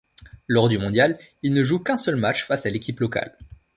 Lors du mondial, il ne joue qu'un seul match, face à l'équipe locale.